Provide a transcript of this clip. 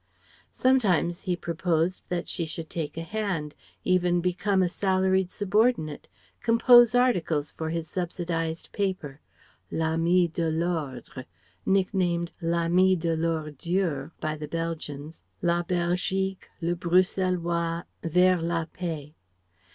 Sometimes he proposed that she should take a hand, even become a salaried subordinate; compose articles for his subsidized paper, "L'Ami de l'Ordre" (nicknamed "L'Ami de L'Ordure" by the Belgians), "La Belgique," "Le Bruxellois," "Vers la Paix."